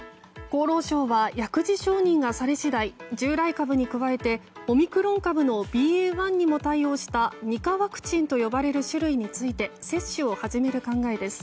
厚労省は薬事承認がされ次第従来株に加えてオミクロン株のＢＡ．１にも対応した２価ワクチンと呼ばれる種類について接種を始める考えです。